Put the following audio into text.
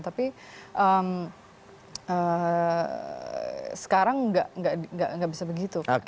tapi sekarang nggak bisa begitu